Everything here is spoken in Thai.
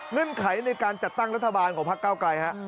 เงื่อนไขในการจัดตั้งรัฐบาลของพักก้าวไกล